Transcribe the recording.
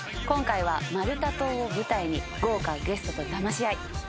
今回はマルタ島を舞台に豪華ゲストとだまし合い。